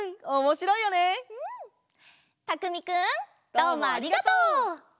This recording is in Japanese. どうもありがとう！